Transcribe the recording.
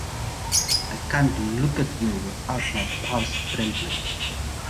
I can’t look at you without my pulse trembling.